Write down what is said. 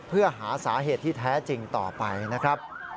เพื่อหาสาเหตุที่แท้จริงต่อไปนะครับ